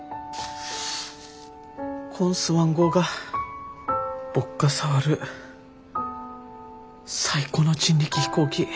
こんスワン号が僕が触る最後の人力飛行機。